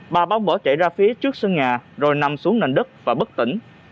bà bóng bỏ chạy ra phía trước sân nhà rồi nằm xuống nền đất và bất tỉnh